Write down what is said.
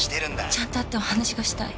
ちゃんと会ってお話がしたい。